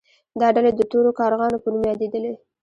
دا ډلې د تورو کارغانو په نوم یادیدلې.